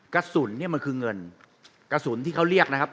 กระสุนเนี่ยมันคือเงินกระสุนที่เขาเรียกนะครับ